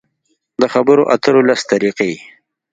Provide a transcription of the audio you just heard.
د خبرو اترو لس طریقې: